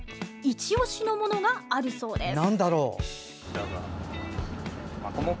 いち押しのものがあるそうです。